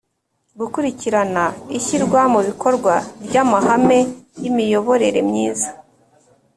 gukurikirana ishyirwa mu bikorwa ry’amahame y’imiyoborere myiza;